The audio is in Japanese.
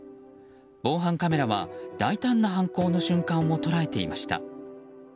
防犯カメラは大胆な犯行の瞬間を捉えていました。